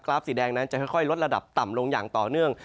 สีแดงนั้นจะค่อยลดระดับต่ำลงอย่างต่อเนื่อง